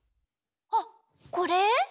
あっこれ？